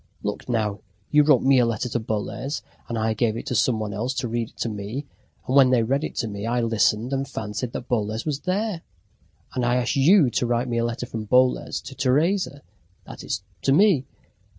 "Look, now! you wrote me a letter to Boles, and I gave it to some one else to read it to me; and when they read it to me I listened and fancied that Boles was there. And I asked you to write me a letter from Boles to Teresa that is to me.